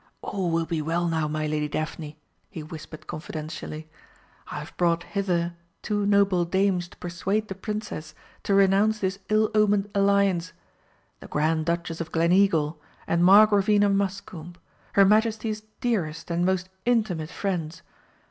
"All will be well now, my Lady Daphne," he whispered confidentially. "I have brought hither two noble dames to persuade the Princess to renounce this ill omened alliance the Grand Duchess of Gleneagle and Margravine of Muscombe, her Majesty's dearest and most intimate friends.